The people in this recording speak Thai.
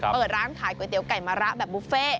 เปิดร้านขายก๋วยเตี๋ยไก่มะระแบบบุฟเฟ่